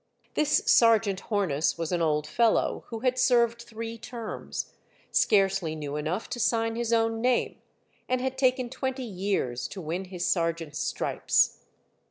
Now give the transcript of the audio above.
II. This Sergeant Hornus was an old fellow who had served three terms, scarcely knew enough to sign his own name, and had taken twenty years to win his sergeant's stripes.